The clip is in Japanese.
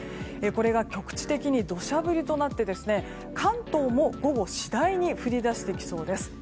これが局地的に土砂降りとなって関東も午後、次第に降り出してきそうです。